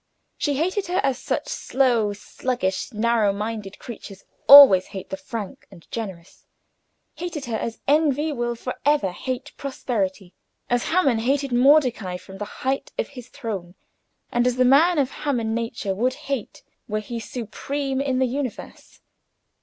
She hated her as such slow, sluggish, narrow minded creatures always hate the frank and generous; hated her as envy will for ever hate prosperity; as Haman hated Mordecai from the height of his throne, and as the man of Haman nature would hate were he supreme in the universe.